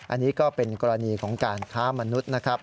อันนี้ก็เป็นกรณีของการค้ามนุษย์นะครับ